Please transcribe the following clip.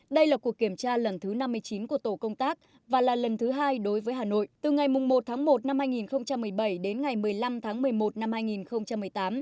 đây là cuộc kiểm tra lần thứ năm mươi chín của tổ công tác và là lần thứ hai đối với hà nội từ ngày một tháng một năm hai nghìn một mươi bảy đến ngày một mươi năm tháng một mươi một năm hai nghìn một mươi tám